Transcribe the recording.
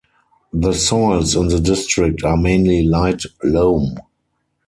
The soils in the district are mainly light loam.